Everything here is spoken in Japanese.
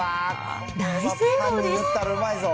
大成功です。